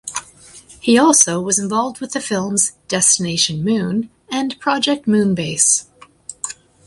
He also was involved with the films "Destination Moon" and "Project Moonbase".